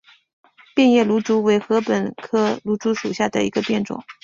变叶芦竹为禾本科芦竹属下的一个变种。